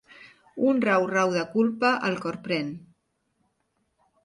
Un rau-rau de culpa el corprèn.